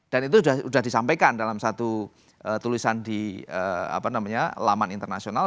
itu sudah disampaikan dalam satu tulisan di laman internasional